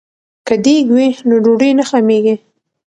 که دیګ وي نو ډوډۍ نه خامېږي.